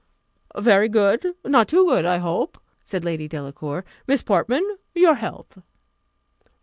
"Very good not too good, I hope," said Lady Delacour. "Miss Portman, your health."